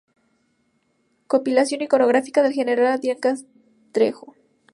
Compilación Iconográfica del general Adrián Castrejón.